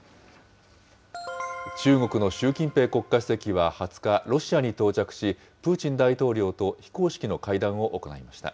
中国の習近平国家主席は２０日、ロシアに到着し、プーチン大統領と非公式の会談を行いました。